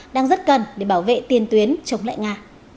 đang rất cần để bảo vệ tiền tuyến chống lại nga